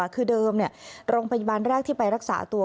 คือเดิมโรงพยาบาลแรกที่ไปรักษาตัว